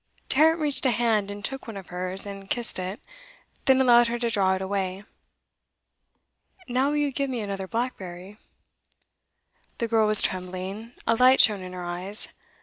Tarrant reached a hand, and took one of hers, and kissed it; then allowed her to draw it away. 'Now will you give me another blackberry?' The girl was trembling; a light shone in her eyes.